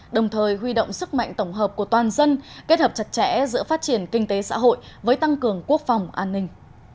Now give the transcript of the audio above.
đồng thời huy động sức mạnh tổng hợp của toàn dân kết hợp chặt chẽ giữa phát triển kinh tế xã hội với tăng cường quốc phòng an ninh